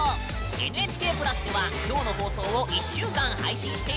「ＮＨＫプラス」ではきょうの放送を１週間配信しているよ。